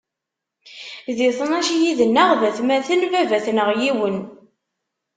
Di tnac yid-nneɣ d atmaten, baba-tneɣ yiwen.